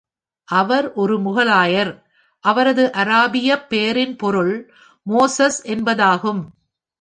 அவர் ஒரு முகலாயர். அவரது அராபியப் பெயரின் பொருள் மோசஸ் என்பதாகும்.